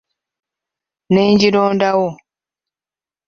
Ne ngirondawo!